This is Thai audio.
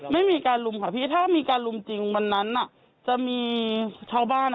ไม่มีการลุมค่ะพี่ถ้ามีการลุมจริงวันนั้นจะมีชาวบ้าน